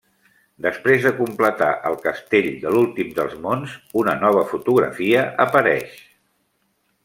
Després de completar el castell de l'últim dels mons, una nova fotografia apareix.